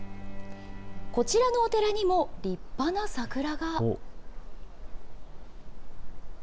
こちらのお寺にも立派な桜が。